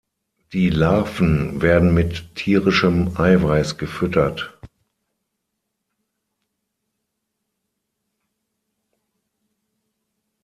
Die Larven werden mit tierischem Eiweiß gefüttert.